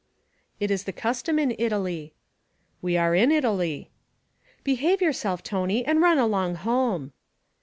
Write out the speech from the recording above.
'It is the custom in Italy.' 'We are in Italy.' 'Behave yourself, Tony, and run along home!'